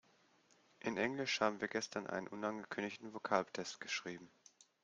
In Englisch haben wir gestern einen unangekündigten Vokabeltest geschrieben.